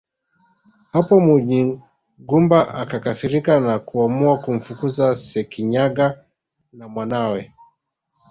Hapo Munyigumba akakasirika na kuamua kumfukuza Sekinyaga na mwanawe